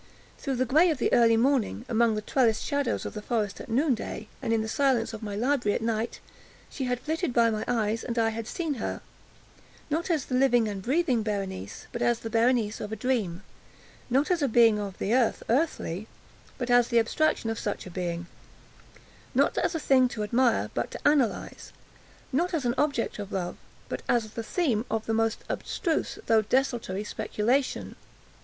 Through the gray of the early morning—among the trellised shadows of the forest at noonday—and in the silence of my library at night—she had flitted by my eyes, and I had seen her—not as the living and breathing Berenice, but as the Berenice of a dream; not as a being of the earth, earthy, but as the abstraction of such a being; not as a thing to admire, but to analyze; not as an object of love, but as the theme of the most abstruse although desultory speculation.